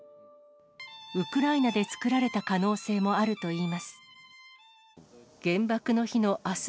ウクライナで作られた可能性もあるといいます。